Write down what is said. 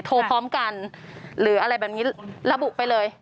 พร้อมกันหรืออะไรแบบนี้ระบุไปเลย